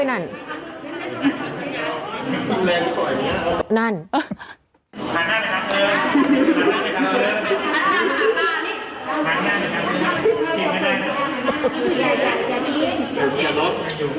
อย่าทิ้งอย่าล้อมต่อยนะอย่าล้อม